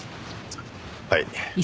はい。